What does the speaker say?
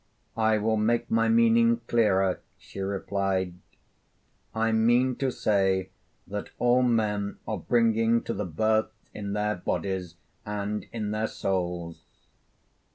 'I will make my meaning clearer,' she replied. 'I mean to say, that all men are bringing to the birth in their bodies and in their souls.